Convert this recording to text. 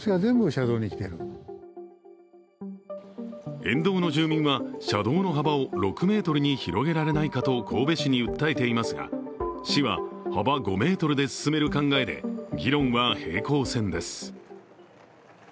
沿道の住民は、車道の幅を６ｍに広げられないかと神戸市に訴えていますが市は、幅５ｍで進める考えで、議論は平行線です。